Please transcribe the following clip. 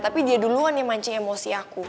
tapi dia duluan yang mancing emosi aku